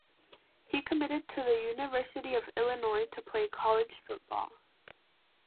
He committed to the University of Illinois to play college football.